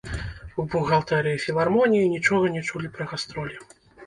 У бухгалтэрыі філармоніі нічога не чулі пра гастролі.